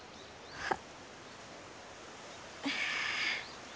あっ！